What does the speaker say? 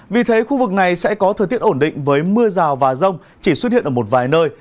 vì thế khu vực này sẽ có thời tiết ổn định với mưa rào và rông chỉ xuất hiện ở một vài nơi